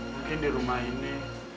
mungkin di rumah ini